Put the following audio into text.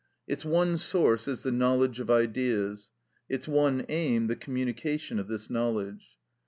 Its one source is the knowledge of Ideas; its one aim the communication of this knowledge.